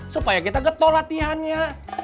supaya kita getoh latihannya